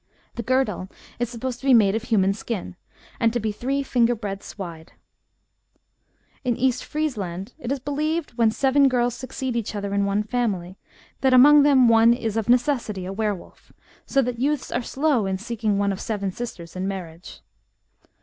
The girdle is supposed to be made of human skin, and to be three finger breadths wide. In East Friesland, it is believed, when seven girls succeed each other in one family, that among them one is of necessity a were wolf, so that youths are slow in seeking one of seven sisters in marriage.